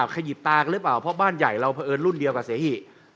ขยิบตากันหรือเปล่าเพราะบ้านใหญ่เราเผอิญรุ่นเดียวกับเสหิ